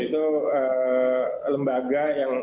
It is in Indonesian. itu lembaga yang